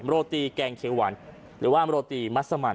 โรตีแกงเขียวหวานหรือว่าโรตีมัสมัน